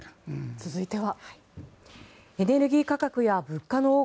続いては。